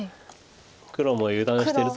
黒も油断してると。